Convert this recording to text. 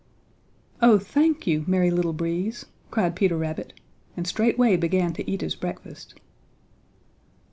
"Oh thank you, Merry Little Breeze!" cried Peter Rabbit, and straightway began to eat his breakfast.